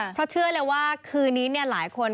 เพราะเชื่อเลยว่าคืนนี้หลายคน